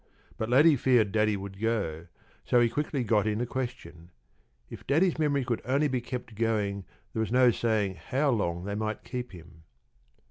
But Laddie feared Daddy would go, so he quickly got in a question. If Daddy's memory could only be kept going there was no saying how long they might keep him.